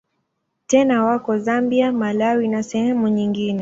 Tena wako Zambia, Malawi na sehemu nyingine.